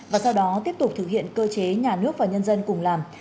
và sau đó tiếp tục thực hiện cơ chế nhà nước và nhân dân cùng làm